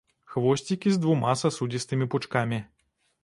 Хвосцікі з двума сасудзістымі пучкамі.